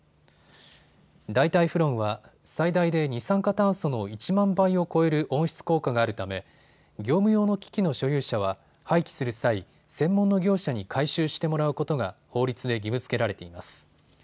代替フロンは最大で二酸化炭素の１万倍を超える温室効果があるため業務用の機器の所有者は廃棄する際、専門の業者に回収してもらうことが法律で義務づけられています。